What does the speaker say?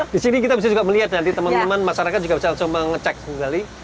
di sini kita bisa juga melihat nanti teman teman masyarakat juga bisa langsung mengecek sekali